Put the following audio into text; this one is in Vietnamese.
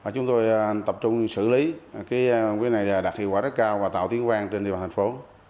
chúng tôi tập trung xử lý quỹ này đạt hiệu quả rất cao và tạo tiếng vang trên địa bàn thành phố